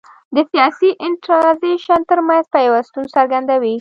د سیاسي سنټرالیزېشن ترمنځ پیوستون څرګندوي.